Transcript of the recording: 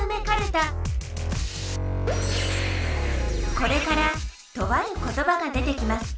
これからとあることばが出てきます。